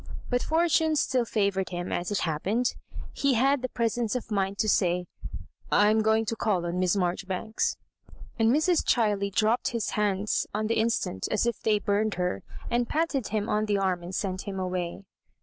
But fortune Btill favoured him, as it happened. He had the presence of mind to say, " I am going to call on Miss Marjoribanks;" and Mrs. Chiley dropped his hands on the instant as if they burned her, and patted him on the arm and sent him away.